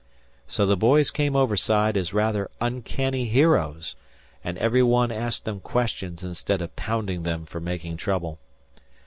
So the boys came override as rather uncanny heroes, and every one asked them questions instead of pounding them for making trouble.